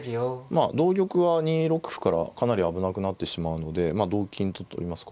まあ同玉は２六歩からかなり危なくなってしまうのでまあ同金と取ります